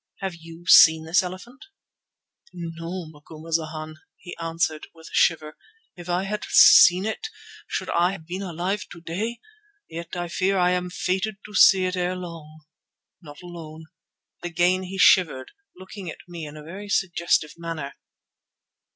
Have you seen this elephant?" "No, Macumazana," he answered with a shiver. "If I had seen it should I have been alive to day? Yet I fear I am fated to see it ere long, not alone," and again he shivered, looking at me in a very suggestive manner.